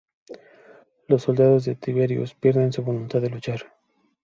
Los soldados de Tiberius pierden su voluntad de luchar.